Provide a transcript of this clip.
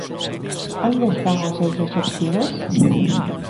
¿Onde están os seus obxectivos?